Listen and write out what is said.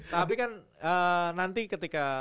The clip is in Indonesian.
tapi kan nanti ketika